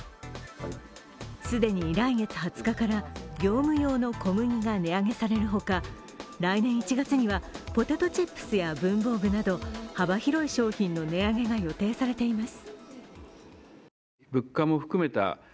既に来月２０日から業務用の小麦が値上げされるほか、来年１月にはポテトチップスや文房具など幅広い商品の値上げが予定されています。